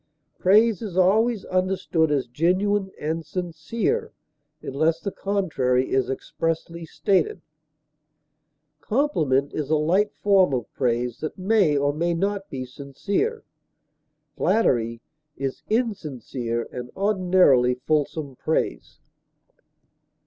Praise is always understood as genuine and sincere, unless the contrary is expressly stated; compliment is a light form of praise that may or may not be sincere; flattery is insincere and ordinarily fulsome praise.